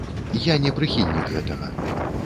Я не прыхільнік гэтага.